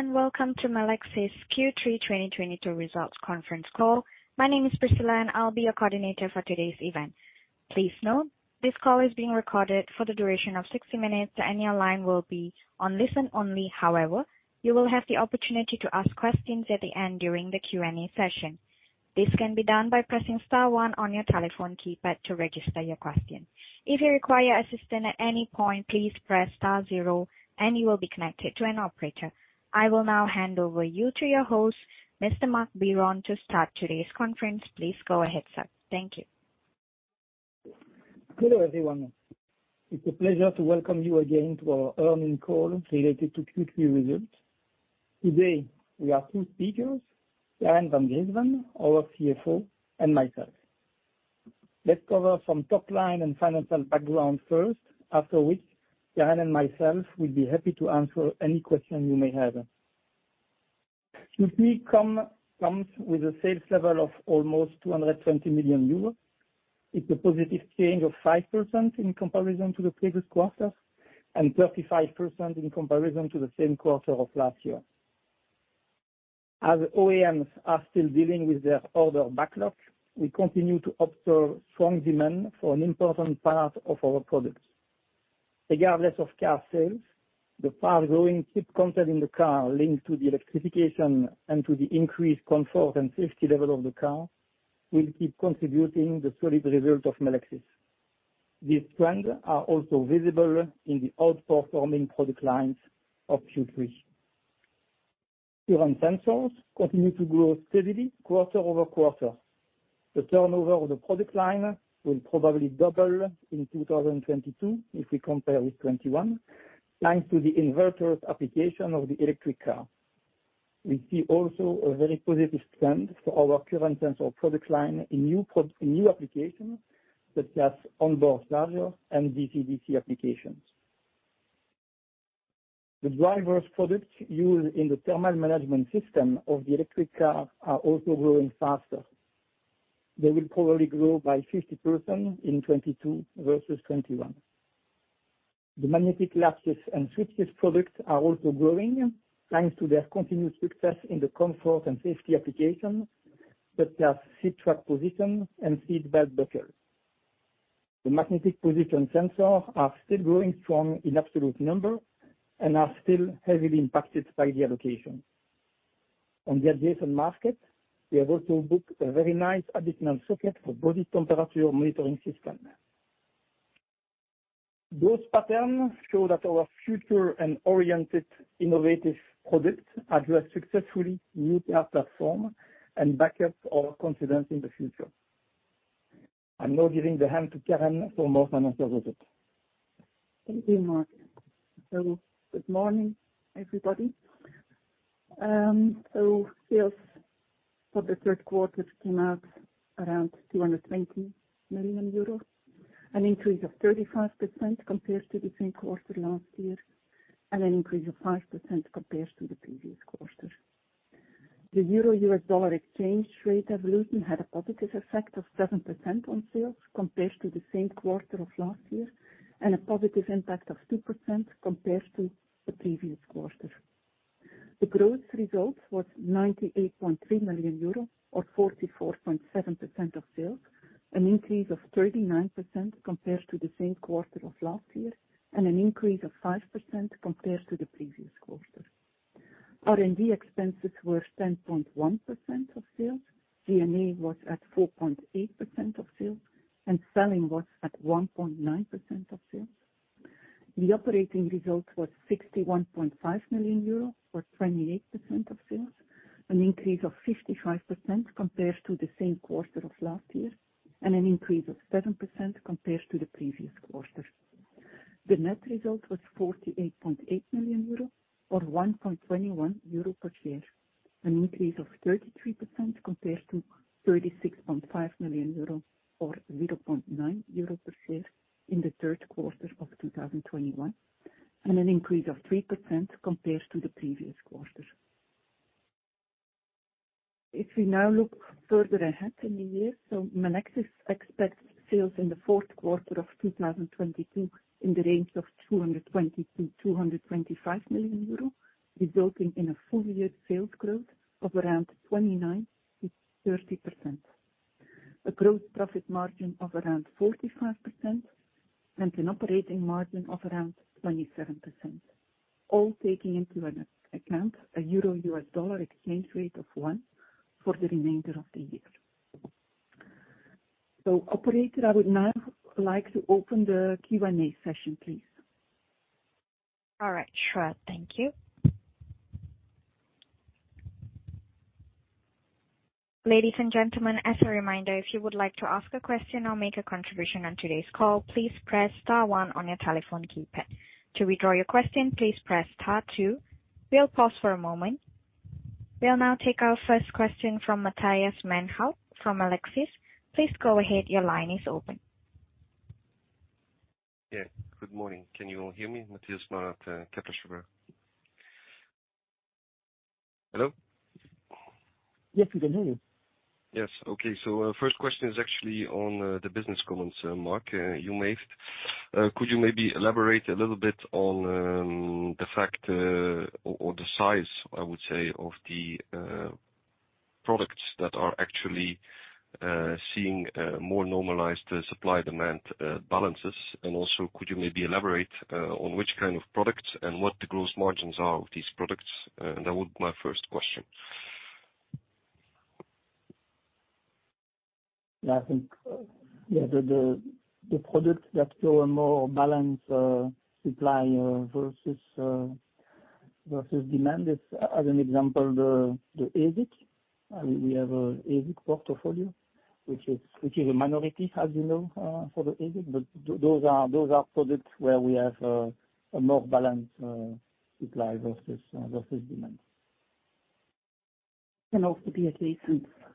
Hello, and welcome to Melexis Q3 2022 results conference call. My name is Priscilla, and I'll be your coordinator for today's event. Please note, this call is being recorded for the duration of 60 minutes, and your line will be on listen-only. However, you will have the opportunity to ask questions at the end during the Q&A session. This can be done by pressing star one on your telephone keypad to register your question. If you require assistance at any point, please press star zero, and you will be connected to an operator. I will now hand you over to your host, Mr. Marc Biron, to start today's conference. Please go ahead, sir. Thank you. Hello, everyone. It's a pleasure to welcome you again to our earning call related to Q3 results. Today, we have two speakers, Karen Van Griensven, our CFO, and myself. Let's cover some top line and financial background first. After which, Karen and myself will be happy to answer any question you may have. Q3 comes with a sales level of almost 200 million euros. It's a positive change of 5% in comparison to the previous quarter and 35% in comparison to the same quarter of last year. As OEMs are still dealing with their order backlog, we continue to observe strong demand for an important part of our products. Regardless of car sales, the fast-growing chip content in the car linked to the electrification and to the increased comfort and safety level of the car will keep contributing the solid result of Melexis. These trends are also visible in the outperforming product lines of Q3. Current sensors continue to grow steadily quarter-over-quarter. The turnover of the product line will probably double in 2022 if we compare with 2021, thanks to the inverter application of the electric car. We see also a very positive trend for our current sensor product line in new applications, such as onboard charger and DC-DC applications. The drivers products used in the thermal management system of the electric car are also growing faster. They will probably grow by 50% in 2022 versus 2021. The magnetic latches and switches products are also growing, thanks to their continued success in the comfort and safety application, such as seat track position and seatbelt buckle. The magnetic position sensors are still growing strong in absolute numbers and are still heavily impacted by the allocation. On the adjacent market, we have also booked a very nice additional circuit for body temperature monitoring system. Those patterns show that our future-oriented innovative products address successfully new car platform and back up our confidence in the future. I'm now giving the hand to Karen for more financial results. Thank you, Marc. Good morning, everybody. Sales for the third quarter came out around 220 million euros, an increase of 35% compared to the same quarter last year, and an increase of 5% compared to the previous quarter. The euro-US dollar exchange rate evolution had a positive effect of 7% on sales compared to the same quarter of last year, and a positive impact of 2% compared to the previous quarter. The gross result was 98.3 million euro or 44.7% of sales, an increase of 39% compared to the same quarter of last year, and an increase of 5% compared to the previous quarter. R&D expenses were 10.1% of sales. G&A was at 4.8% of sales, and selling was at 1.9% of sales. The operating result was 61.5 million euros, or 28% of sales, an increase of 55% compared to the same quarter of last year, and an increase of 7% compared to the previous quarter. The net result was 48.8 million euro or 1.21 euro per share, an increase of 33% compared to 36.5 million euro or 0.9 euro per share in the third quarter of 2021, and an increase of 3% compared to the previous quarter. If we now look further ahead in the year, so Melexis expects sales in the fourth quarter of 2022 in the range of 220 million-225 million euro, resulting in a full year sales growth of around 29%-30%. A gross profit margin of around 45% and an operating margin of around 27%. All taking into account a euro-US dollar exchange rate of 1 for the remainder of the year. Operator, I would now like to open the Q&A session, please. All right. Sure. Thank you. Ladies and gentlemen, as a reminder, if you would like to ask a question or make a contribution on today's call, please press star one on your telephone keypad. To withdraw your question, please press star two. We'll pause for a moment. We'll now take our first question from Matthias Mengel from Kepler Cheuvreux. Please go ahead. Your line is open. Yeah. Good morning. Can you all hear me? Matthias Mengel, Kepler Cheuvreux. Hello? Yes, we can hear you. Yes. Okay. First question is actually on the business comments, Marc, you made. Could you maybe elaborate a little bit on the fact or the size, I would say, of the products that are actually seeing more normalized supply-demand balances? Also, could you maybe elaborate on which kind of products and what the gross margins are of these products? That would be my first question. I think the products that show a more balanced supply versus demand is, as an example, the ASICs. We have a ASIC portfolio which is a minority, as you know, for the ASIC. But those are products where we have a more balanced supply versus demand.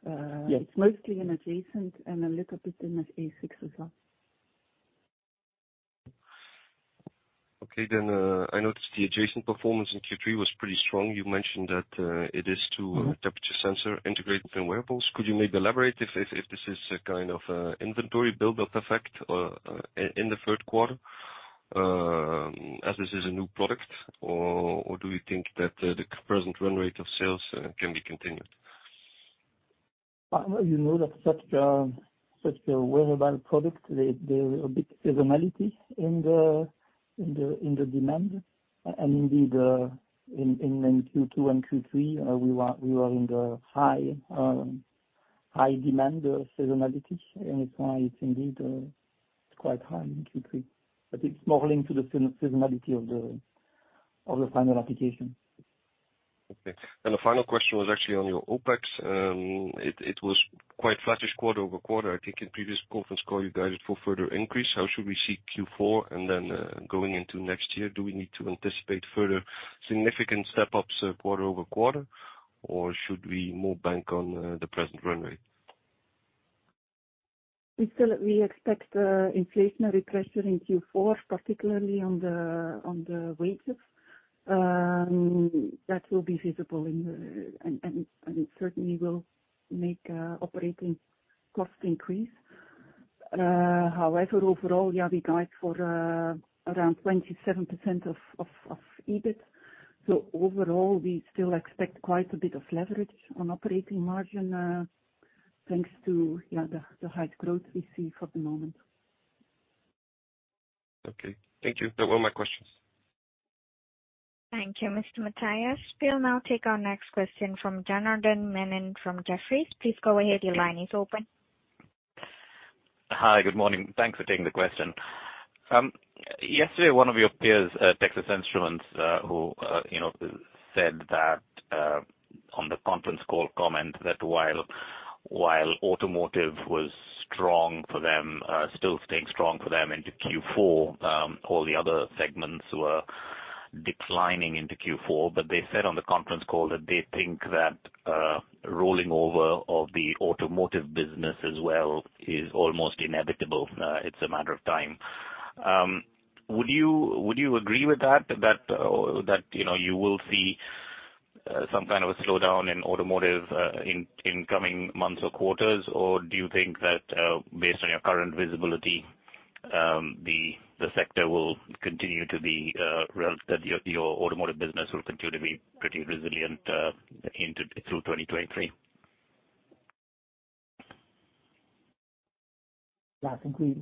The adjacent. Yes. Mostly in adjacent and a little bit in ASICs as well. I noticed the adjusted performance in Q3 was pretty strong. You mentioned that it is to- Mm-hmm. Temperature sensor integrated within wearables. Could you maybe elaborate if this is a kind of inventory build-up effect in the third quarter as this is a new product? Do you think that the present run rate of sales can be continued? You know that such a wearable product, there's a bit seasonality in the demand. Indeed, in Q2 and Q3, we were in the high demand seasonality, and it's why it's indeed quite high in Q3. It's more linked to the seasonality of the final application. Okay. The final question was actually on your OpEx. It was quite flattish quarter-over-quarter. I think in previous conference call you guided for further increase. How should we see Q4 and then going into next year? Do we need to anticipate further significant step-ups, quarter-over-quarter, or should we more bank on the present run rate? We still expect inflationary pressure in Q4, particularly on the wages. It certainly will make operating costs increase. However, overall, we guide for around 27% of EBIT. Overall, we still expect quite a bit of leverage on operating margin, thanks to the high growth we see for the moment. Okay. Thank you. Those were my questions. Thank you, Mr. Matthias. We'll now take our next question from Janardan Menon from Jefferies. Please go ahead. Your line is open. Hi, good morning. Thanks for taking the question. Yesterday, one of your peers, Texas Instruments, who you know said that on the conference call, commented that while automotive was strong for them, still staying strong for them into Q4, all the other segments were declining into Q4. They said on the conference call that they think that rolling over of the automotive business as well is almost inevitable, it's a matter of time. Would you agree with that, you know, you will see some kind of a slowdown in automotive in coming months or quarters? Or do you think that based on your current visibility, the sector will continue to be. That your automotive business will continue to be pretty resilient through 2023? Yeah, I think we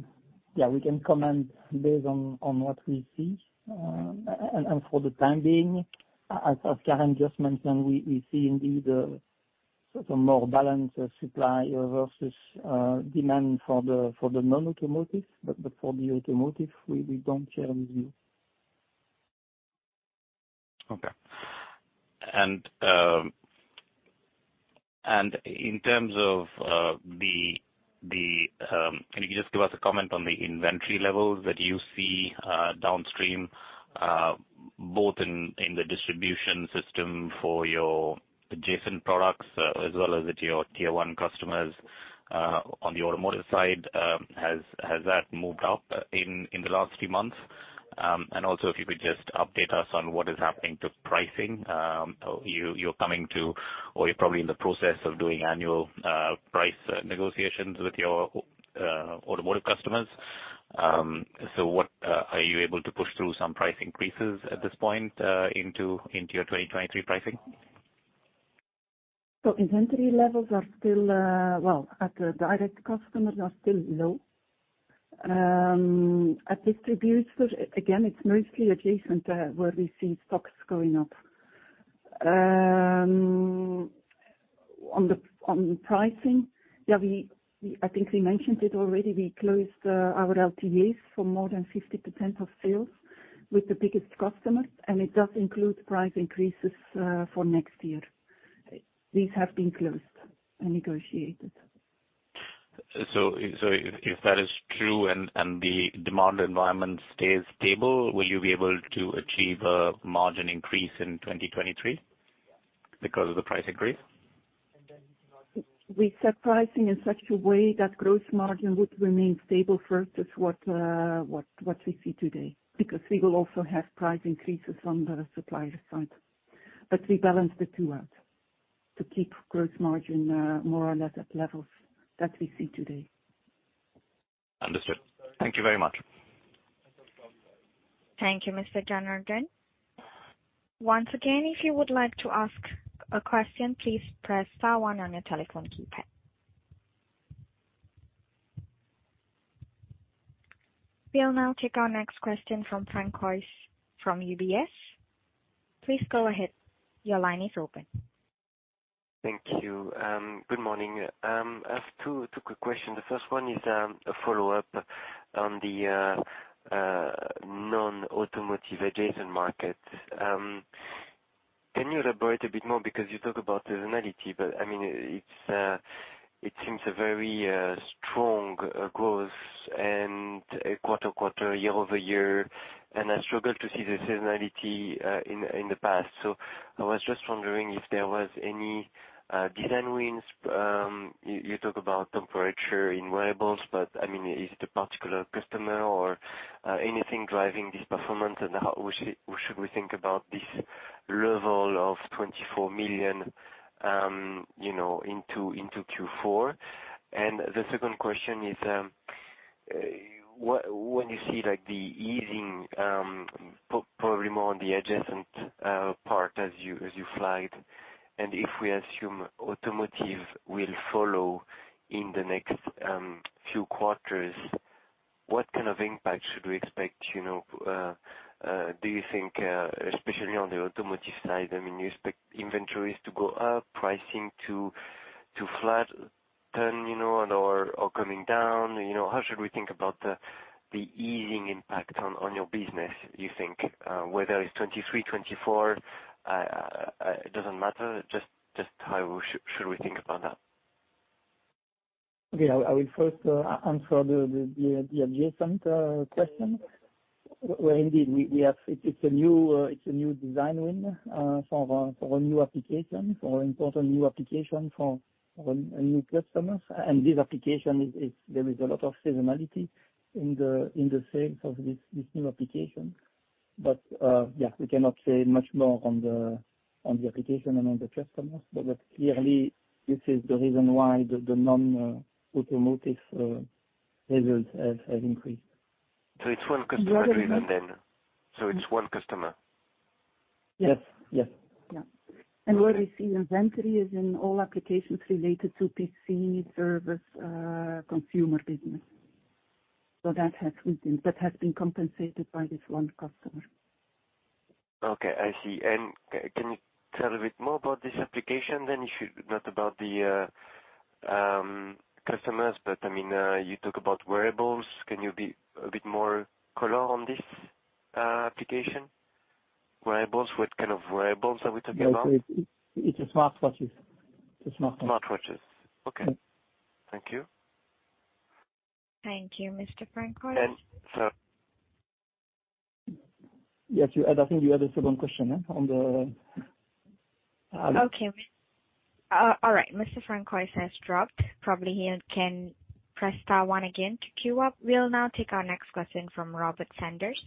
can comment based on what we see. For the time being, as Karen just mentioned, we see indeed a sort of more balanced supply versus demand for the non-automotive. For the automotive, we don't share with you. And in terms of the, you just want to, comment on the inventory levels that you see downstream, both in the distribution system for your adjacent products as well as with your tier one customers on the automotive side? Has that moved up in the last few months? If you could just update us on what is happening to pricing. You're coming to or you're probably in the process of doing annual price negotiations with your automotive customers. What are you able to push through some price increases at this point, into your 2023 pricing? Inventory levels are still low at the direct customers. At distributors, again, it's mostly adjacent where we see stocks going up. On pricing, yeah, we I think we mentioned it already, we closed our LTAs for more than 50% of sales with the biggest customers, and it does include price increases for next year. These have been closed and negotiated. If that is true and the demand environment stays stable, will you be able to achieve a margin increase in 2023 because of the price increase? We set pricing in such a way that gross margin would remain stable versus what we see today, because we will also have price increases on the supplier side. We balance the two out to keep gross margin more or less at levels that we see today. Understood. Thank you very much. Thank you, Mr. Janardan. Once again, if you would like to ask a question, please press star one on your telephone keypad. We'll now take our next question from François from UBS. Please go ahead. Your line is open. Thank you. Good morning. I have two quick questions. The first one is a follow-up on the non-automotive adjacent market. Can you elaborate a bit more because you talk about seasonality, but I mean, it seems a very strong growth quarter-over-quarter and year-over-year, and I struggle to see the seasonality in the past. I was just wondering if there was any design wins. You talk about temperature in wearables, but I mean, is it a particular customer or anything driving this performance? How we should think about this level of 24 million, you know, into Q4? The second question is, what, when you see like the easing, probably more on the adjacent part as you flagged, and if we assume automotive will follow in the next few quarters, what kind of impact should we expect, you know, do you think, especially on the automotive side, I mean, you expect inventories to go up, pricing to flatten, you know, or coming down? You know, how should we think about the easing impact on your business, you think? Whether it's 2023, 2024, it doesn't matter. Just how should we think about that? Okay. I will first answer the adjacent question, where indeed we have. It's a new design win for our new application, an important new application for our new customers. This application is. There is a lot of seasonality in the sales of this new application. We cannot say much more on the application and on the customers. Clearly this is the reason why the non-automotive results have increased. It's one customer? Yes. Yes. Yeah. Where we see inventory is in all applications related to PC service, consumer business. That has been compensated by this one customer. Okay, I see. Can you tell a bit more about this application than not about the customers, but I mean, you talk about wearables. Can you be a bit more color on this application? Wearables, what kind of wearables are we talking about? It's smartwatch. Smartwatches. Okay. Thank you. Thank you, Mr. Francois. And, so- Yes, I think you had a second question, yeah, on the Okay. All right. Mr. François has dropped. Probably he can press star one again to queue up. We'll now take our next question from Robert Sanders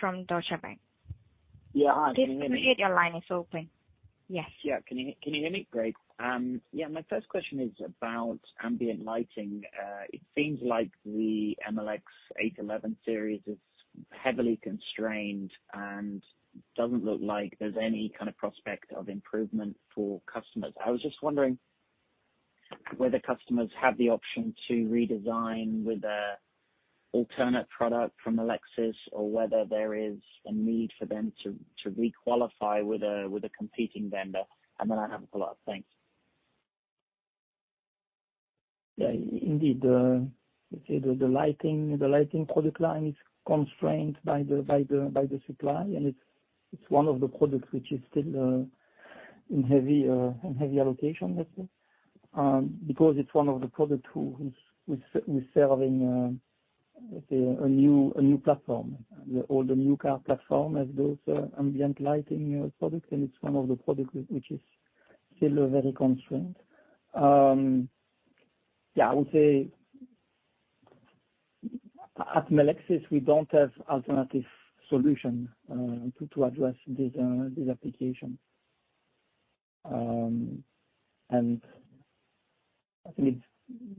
from Deutsche Bank. Yeah. Please. Your line is open. Yes. Yeah. Can you hear me? Great. My first question is about ambient lighting. It seems like the MLX811 series is heavily constrained and doesn't look like there's any kind of prospect of improvement for customers. I was just wondering whether customers have the option to redesign with a alternate product from Melexis or whether there is a need for them to re-qualify with a competing vendor. Then I have a follow-up. Thanks. Yeah. Indeed, let's say the lighting product line is constrained by the supply, and it's one of the products which is still in heavy allocation, let's say, because it's one of the product who is serving, let's say a new platform. All the new car platform has those ambient lighting product, and it's one of the product which is still very constrained. Yeah, I would say at Melexis, we don't have alternative solution to address this application. I think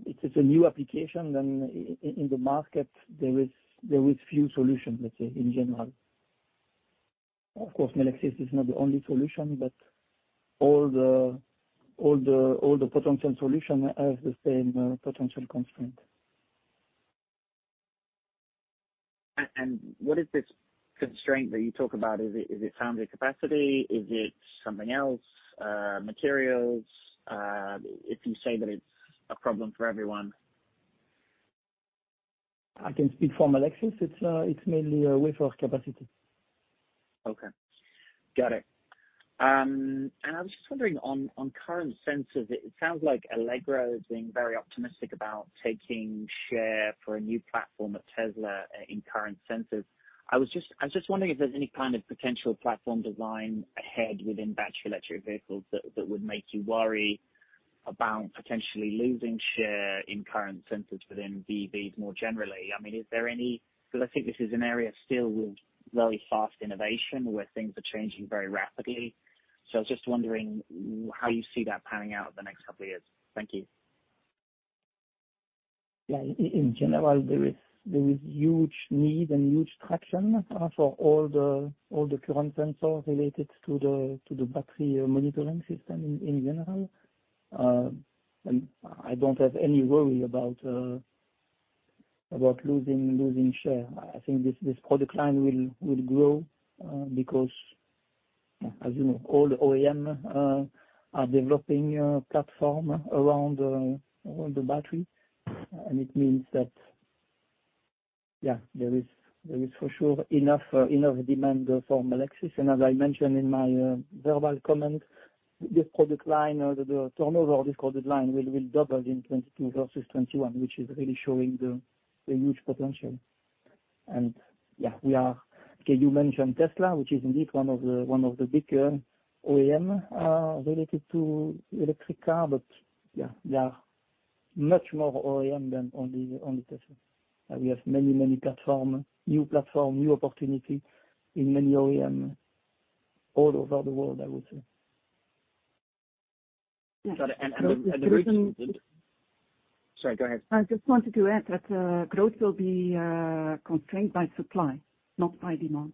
it's a new application, and in the market there is few solutions, let's say in general. Of course, Melexis is not the only solution, but all the potential solution has the same potential constraint. What is this constraint that you talk about? Is it foundry capacity? Is it something else, materials? If you say that it's a problem for everyone. I can speak for Melexis. It's mainly a wafer capacity. Okay. Got it. I was just wondering on current sensors, it sounds like Allegro is being very optimistic about taking share for a new platform at Tesla in current sensors. I was just wondering if there's any kind of potential platform design ahead within battery electric vehicles that would make you worry about potentially losing share in current sensors within BEVs more generally. I mean, is there any 'cause I think this is an area still with very fast innovation, where things are changing very rapidly. I was just wondering how you see that panning out the next couple of years. Thank you. Yeah. In general, there is huge need and huge traction for all the current sensors related to the battery monitoring system in general. I don't have any worry about losing share. I think this product line will grow because, as you know, all OEM are developing platform around the battery. It means that, yeah, there is for sure enough demand from Melexis. As I mentioned in my verbal comment, this product line or the turnover of this product line will double in 2022 versus 2021, which is really showing the huge potential. Okay, you mentioned Tesla, which is indeed one of the bigger OEM related to electric car. Yeah, there are much more OEM than only Tesla. We have many platform, new platform, new opportunity in many OEM all over the world, I would say. Sorry. Yes. The reason. Sorry, go ahead. I just wanted to add that growth will be constrained by supply, not by demand.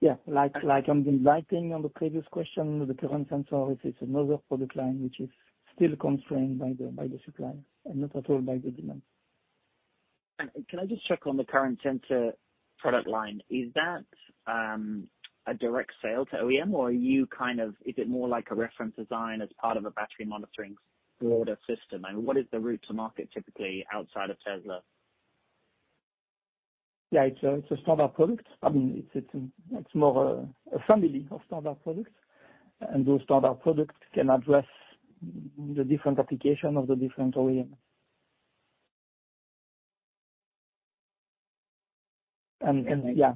Yeah. Like, I'm inviting on the previous question, the current sensor, it is another product line which is still constrained by the supply and not at all by the demand. Can I just check on the current sensor product line? Is that a direct sale to OEM or is it more like a reference design as part of a battery monitoring or broader system? What is the route to market typically outside of Tesla? Yeah, it's a standard product. I mean, it's more a family of standard products. Those standard products can address the different application of the different OEM. Yeah.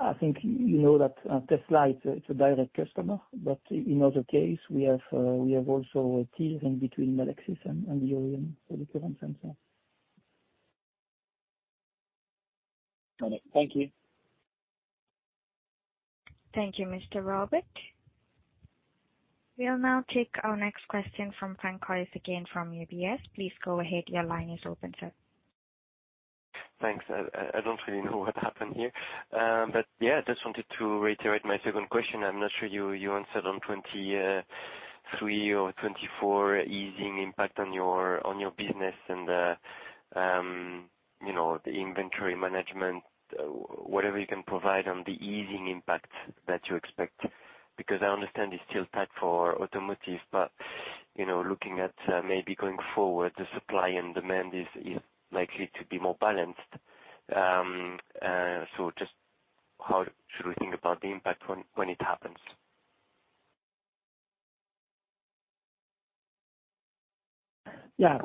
I think you know that Tesla is a direct customer, but in other case we have also a team in between Melexis and the OEM for the current sensor. Got it. Thank you. Thank you, Mr. Robert. We'll now take our next question from Francois again from UBS. Please go ahead. Your line is open, sir. Thanks. I don't really know what happened here. Yeah, I just wanted to reiterate my second question. I'm not sure you answered on 2023 or 2024 easing impact on your business and, you know, the inventory management. Whatever you can provide on the easing impact that you expect. Because I understand it's still tight for automotive, but you know, looking at maybe going forward, the supply and demand is likely to be more balanced. Just how should we think about the impact when it happens? Yeah.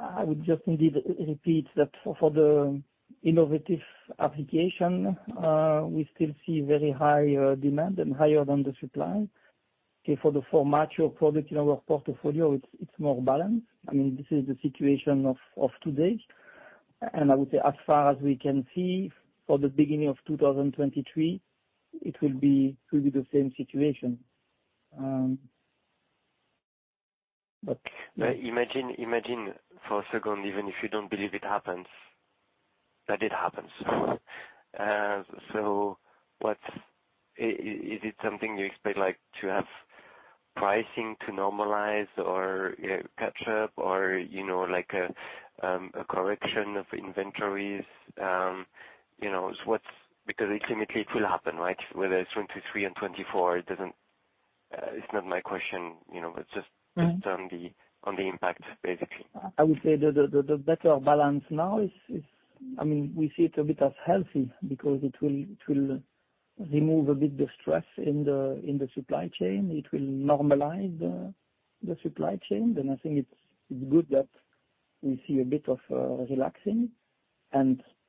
I would just indeed repeat that for the innovative application, we still see very high demand and higher than the supply. Okay. For the format of product in our portfolio, it's more balanced. I mean, this is the situation of today. I would say as far as we can see for the beginning of 2023, it will be the same situation. Imagine for a second, even if you don't believe it happens, that it happens. What's it something you expect like to have pricing to normalize or, you know, catch up or, you know, like a correction of inventories? You know, because ultimately it will happen, right? Whether it's 2023 and 2024, it doesn't, it's not my question, you know. It's just. Mm-hmm. Just on the impact, basically. I would say the better balance now is, I mean, we see it a bit as healthy because it will remove a bit the stress in the supply chain. It will normalize the supply chain. I think it's good that we see a bit of relaxing.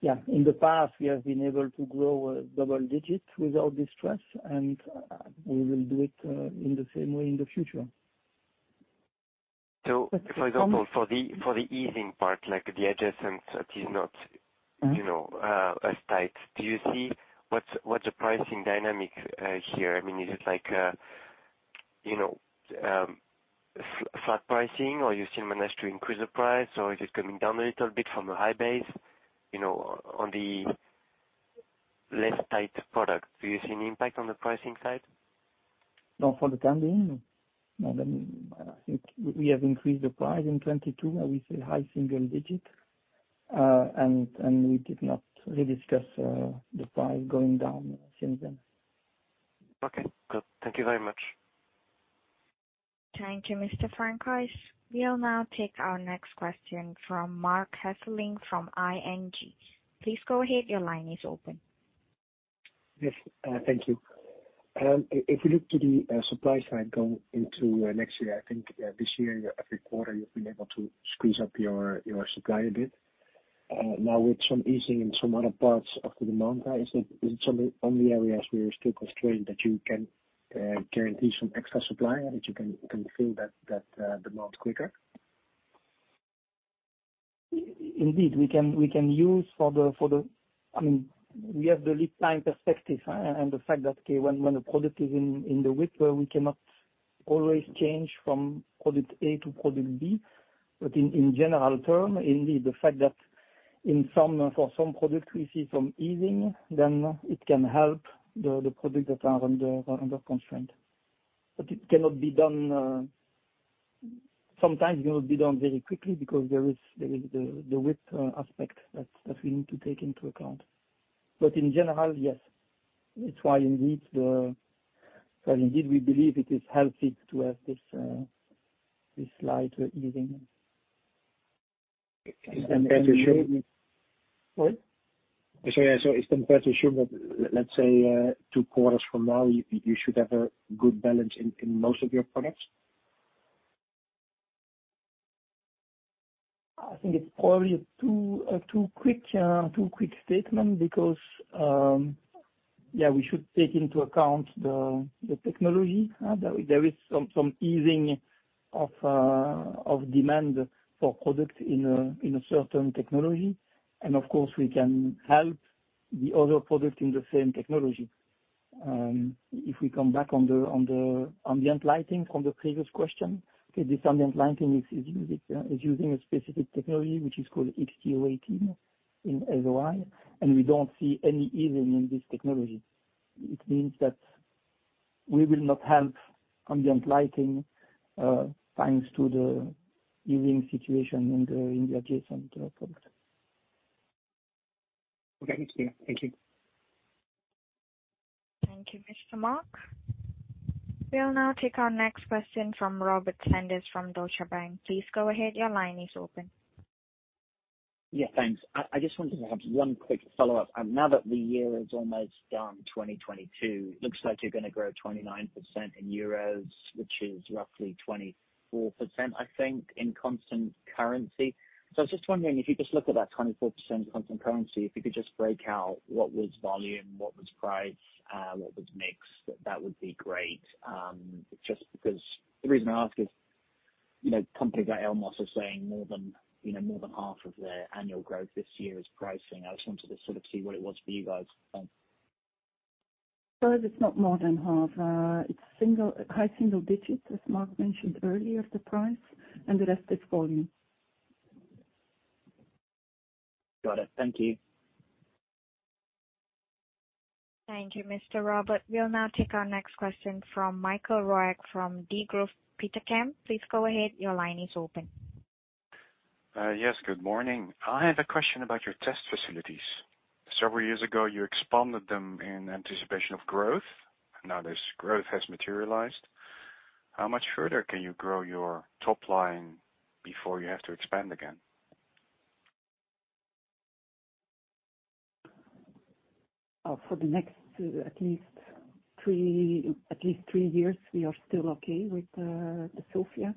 Yeah, in the past we have been able to grow double digits without this stress, and we will do it in the same way in the future. For example, for the easing part, like the adjacent that is not- Mm-hmm. You know, as tight, do you see what's the pricing dynamic here? I mean, is it like flat pricing or you still manage to increase the price, or is it coming down a little bit from a high base, you know, on the less tight product? Do you see an impact on the pricing side? Not for the time being. No. I think we have increased the price in 2022, and we see high single-digit. We did not rediscuss the price going down since then. Okay, good. Thank you very much. Thank you, Mr. Francois. We'll now take our next question from Marc Hesselink from ING. Please go ahead. Your line is open. Yes. Thank you. If you look to the supply side going into next year, I think this year every quarter you have been able to squeeze up your supply a bit. Now with some easing in some other parts of the demand guide, is it some of the only areas where you're still constrained that you can guarantee some extra supply and that you can fill that demand quicker? Indeed, we can. I mean, we have the lead time perspective, and the fact that, okay, when a product is in the WIP, where we cannot always change from product A to product B. In general terms, indeed, the fact that in some, for some products we see some easing, then it can help the products that are under constraint. It cannot be done, sometimes it cannot be done very quickly because there is the WIP aspect that we need to take into account. In general, yes. That's why indeed. Indeed we believe it is healthy to have this slight easing. What? Sorry. It's fair to assume that let's say, two quarters from now, you should have a good balance in most of your products? I think it's probably too quick statement because we should take into account the technology. There is some easing of demand for products in a certain technology. Of course, we can help the other product in the same technology. If we come back on the ambient lighting from the previous question, this ambient lighting is using a specific technology which is called HTO18 in SOI, and we don't see any easing in this technology. It means that we will not have ambient lighting thanks to the easing situation in the adjacent products. Okay. Thank you. Thank you. Thank you, Mr. Marc. We'll now take our next question from Robert Sanders from Deutsche Bank. Please go ahead. Your line is open. Yeah, thanks. I just wanted to have one quick follow-up. Now that the year is almost done, 2022, looks like you're gonna grow 29% in euros, which is roughly 24%, I think, in constant currency. I was just wondering if you just look at that 24% constant currency, if you could just break out what was volume, what was price, what was mix, that would be great. Just because the reason I ask is, you know, companies like Elmos are saying more than, you know, more than half of their annual growth this year is pricing. I just wanted to sort of see what it was for you guys. Thanks. Sorry, it's not more than half. It's high single digits, as Marc mentioned earlier, the price, and the rest is volume. Got it. Thank you. Thank you, Mr. Robert. We'll now take our next question from Michael Roeg from Degroof Petercam. Please go ahead. Your line is open. Yes. Good morning. I have a question about your test facilities. Several years ago, you expanded them in anticipation of growth. Now this growth has materialized. How much further can you grow your top line before you have to expand again? For the next at least three years, we are still okay with the Sofia.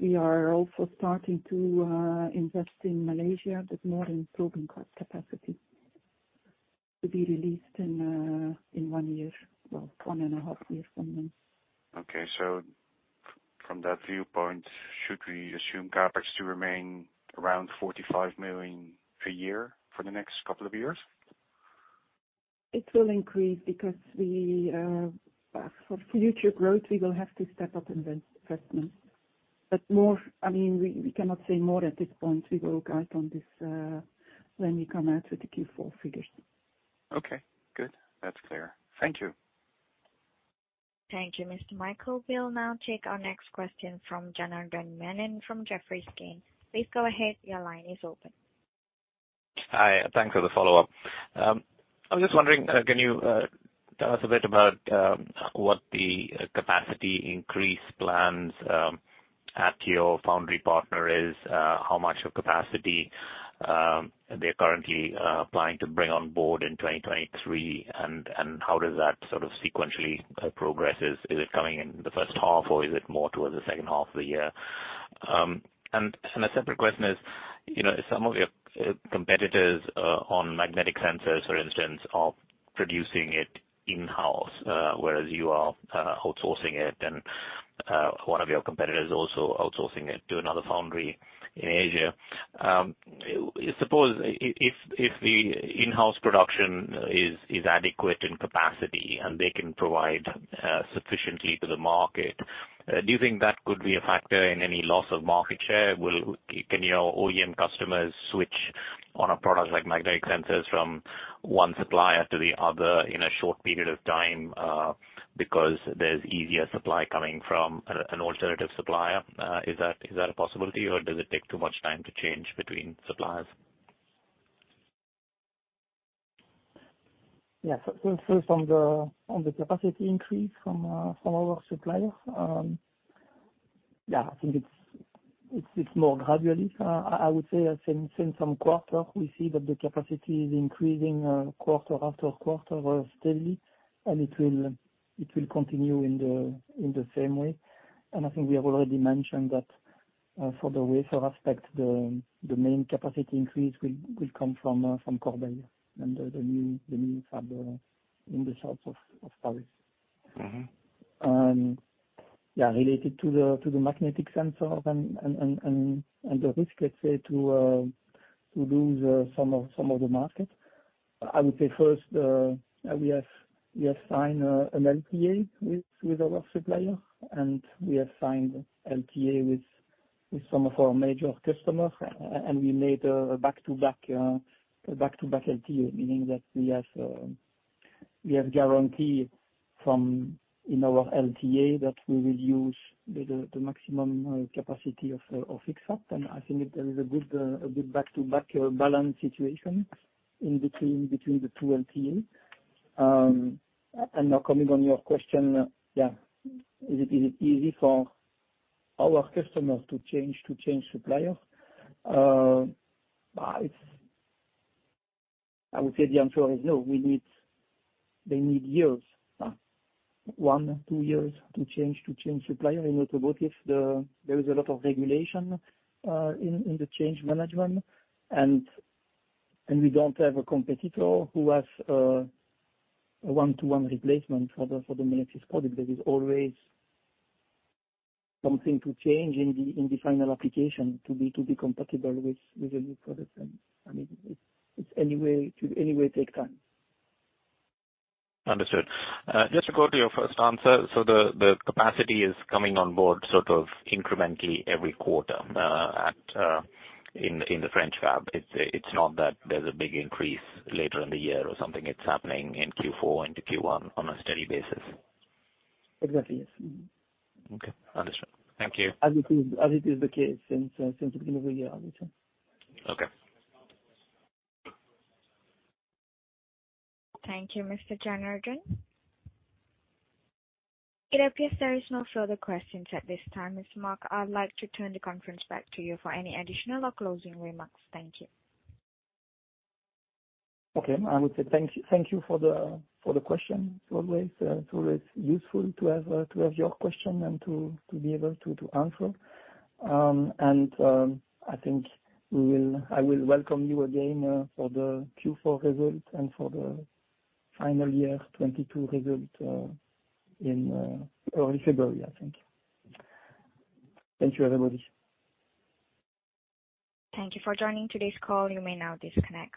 We are also starting to invest in Malaysia, but more in probing capacity to be released in one year, one and a half years from now. Okay. From that viewpoint, should we assume CapEx to remain around 45 million per year for the next couple of years? It will increase because we, for future growth, we will have to step up investment. More, I mean, we cannot say more at this point. We will guide on this when we come out with the Q4 figures. Okay, good. That's clear. Thank you. Thank you, Mr. Michael. We'll now take our next question from Janardan Menon from Jefferies. Please go ahead. Your line is open. Hi. Thanks for the follow-up. I'm just wondering, can you tell us a bit about what the capacity increase plans at your foundry partner is? How much of capacity they're currently planning to bring on board in 2023? How does that sort of sequentially progress? Is it coming in the first half or is it more towards the second half of the year? A separate question is, you know, some of your competitors on magnetic sensors, for instance, are producing it in-house, whereas you are outsourcing it, and one of your competitors is also outsourcing it to another foundry in Asia. Suppose if the in-house production is adequate in capacity and they can provide sufficiently to the market, do you think that could be a factor in any loss of market share? Can your OEM customers switch on a product like magnetic sensors from one supplier to the other in a short period of time, because there is easier supply coming from an alternative supplier? Is that a possibility or does it take too much time to change between suppliers? On the capacity increase from our suppliers, I think it's more gradually. I would say since some quarter, we see that the capacity is increasing quarter after quarter steadily, and it will continue in the same way. I think we have already mentioned that, for the wafer aspect, the main capacity increase will come from Corbeil and the new fab in the south of Paris. Mm-hmm. Yeah, related to the magnetic sensor and the risk, let's say, to lose some of the market. I would say first, we have signed an LTA with our supplier, and we have signed LTA with some of our major customers. We made back-to-back LTA, meaning that we have guarantee from in our LTA that we will use the maximum capacity of IC fab. I think it is a good back-to-back balance situation between the two LTA. Now coming on your question, yeah. Is it easy for our customers to change suppliers? It's. I would say the answer is no. They need years. 1-2 years to change supplier. In automotive, there is a lot of regulation in the change management. We don't have a competitor who has a one-to-one replacement for the magnetic product. There is always something to change in the final application to be compatible with a new product. I mean, it's anyway, it should anyway take time. Understood. Just to go to your first answer. The capacity is coming on board sort of incrementally every quarter, in the French fab. It's not that there is a big increase later in the year or something. It's happening in Q4 into Q1 on a steady basis. Exactly, yes. Mm-hmm. Okay, understood. Thank you. As it is the case since the beginning of the year. That's right. Okay. Thank you, Mr. Janardan. It appears there is no further questions at this time. Mr. Marc, I'd like to turn the conference back to you for any additional or closing remarks. Thank you. Okay. I would say thank you for the questions. It's always useful to have your question and to be able to answer. I think I will welcome you again for the Q4 results and for the final year 2022 results in early February, I think. Thank you, everybody. Thank you for joining today's call. You may now disconnect.